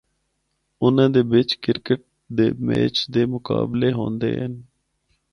اُناں دے بچ کرکٹ دے میچ دے مقابلے ہوندے ہن۔